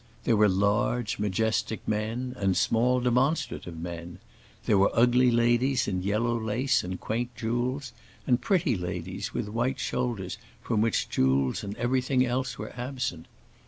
There were large, majestic men, and small demonstrative men; there were ugly ladies in yellow lace and quaint jewels, and pretty ladies with white shoulders from which jewels and everything else were absent.